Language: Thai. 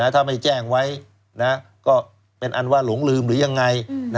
ถ้าไม่แจ้งไว้ก็เป็นอันว่าหลงลืมหรือยังไง